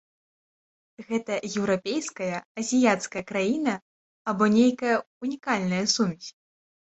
Гэта еўрапейская, азіяцкая краіна або нейкая ўнікальная сумесь?